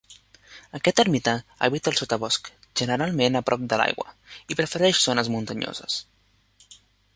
Aquest ermità habita el sotabosc, generalment a prop de l'aigua, i prefereix zones muntanyoses.